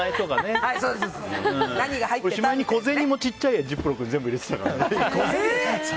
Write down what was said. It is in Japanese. しまいに小銭も小さいジップロックに全部入れてたから。